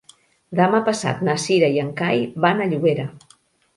Demà passat na Cira i en Cai van a Llobera.